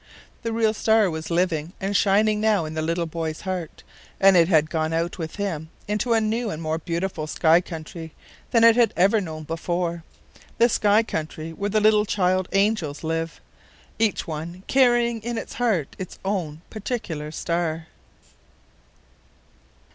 The real star was living and shining now in the little boy's heart, and it had gone out with him into a new and more beautiful sky country than it had ever known before the sky country where the little child angels live, each one carrying in its heart its own particular star.